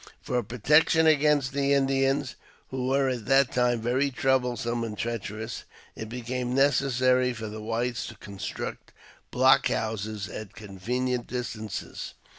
For protection against the Indians, who were at that time very troublesome and treacherous, it became necessary for the whites to construct block houses at convenient distances.